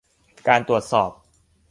การตรวจสอบ